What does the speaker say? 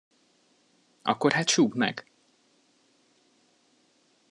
Akkor hát súgd meg!